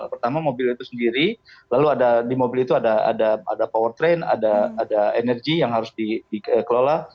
pertama mobil itu sendiri lalu ada di mobil itu ada power train ada energi yang harus dikelola